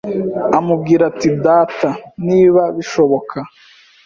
amubwira ati ‘Data, niba bishoboka,